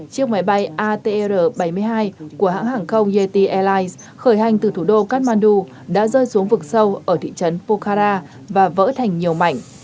chiếc máy bay atr bảy mươi hai của hãng hàng không jtlis khởi hành từ thủ đô kathmandu đã rơi xuống vực sâu ở thị trấn pokhara và vỡ thành nhiều mảnh